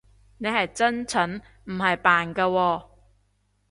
你係真蠢，唔係扮㗎喎